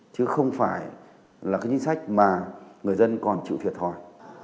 chứ không phải là chính sách mà người dân còn chịu thiệt hỏi